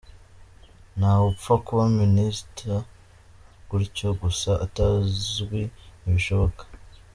ntawe upfa kuba Minister gutyo gusa atazwi, ntibishoboka.